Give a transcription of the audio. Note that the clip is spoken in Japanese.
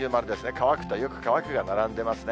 乾くとよく乾くが並んでますね。